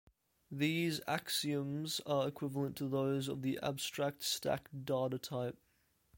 These axioms are equivalent to those of the abstract stack data type.